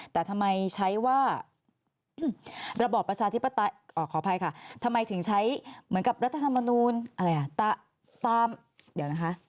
แต่ทำไมใช้ว่าระบอบประชาธิปไตยขออภัยค่ะทำไมถึงใช้เหมือนกับรัฐธรรมนูลอะไรอ่ะตามเดี๋ยวนะคะ